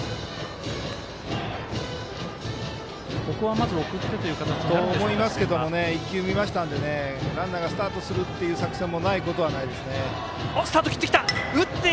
まず送ってという形になるんでしょうか。と思いますけど１球見ましたのでランナーがスタートする作戦もないことはないです。